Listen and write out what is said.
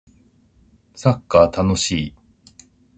サッカー楽しい